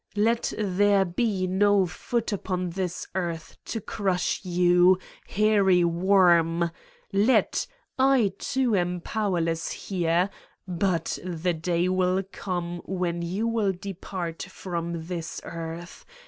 Let there be no foot upon this earth to crush you, hairy worm. Let ! I, too, am powerless here. But the day will come when you will depart from this earth.